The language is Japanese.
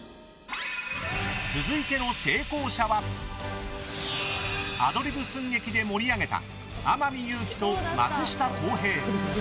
続いての成功者はアドリブ寸劇で盛り上げた天海祐希と松下洸平。